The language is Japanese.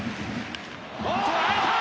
捉えた！